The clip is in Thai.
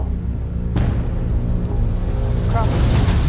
ครอบครัวของเรา